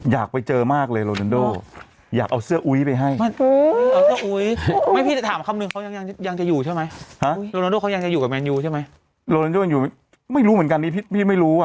อยากไปเจอมากเลยโรนันโด่อยากเอาเสื้ออุ๊ยไปให้เอาเสื้ออุ๊ยไม่พี่จะถามคำหนึ่งเขายังยังจะอยู่ใช่ไหมฮะโรนันโด่เขายังจะอยู่กับแมนยูใช่ไหมโรนันโด่อยู่ไม่รู้เหมือนกันนี้พี่ไม่รู้อ่ะ